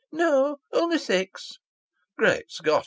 "No. Only six." "Great Scott!